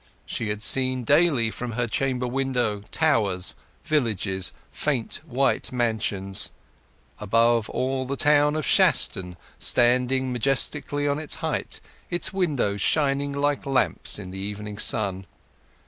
She had seen daily from her chamber window towers, villages, faint white mansions; above all, the town of Shaston standing majestically on its height; its windows shining like lamps in the evening sun.